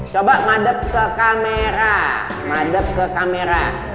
coba madep ke kamera madep ke kamera